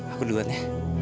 aku duluan ya